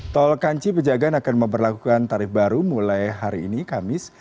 tol kanci pejagaan akan memperlakukan tarif baru mulai hari ini kamis